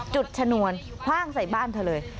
จุดฉนนวลคว่างใส่บ้านเธอเลย